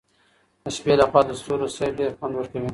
د شپې له خوا د ستورو سیل ډېر خوند ورکوي.